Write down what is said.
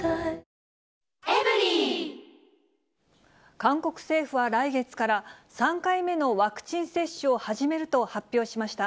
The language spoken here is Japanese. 韓国政府は来月から３回目のワクチン接種を始めると発表しました。